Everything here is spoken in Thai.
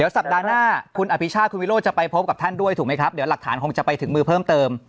สัปดาห์หน้าคุณอภิชาติคุณวิโรธจะไปพบกับท่านด้วยถูกไหมครับเดี๋ยวหลักฐานคงจะไปถึงมือเพิ่มเติม